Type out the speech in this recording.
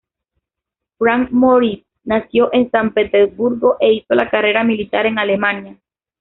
Franz Moritz nació en San Petersburgo e hizo la carrera militar en Alemania.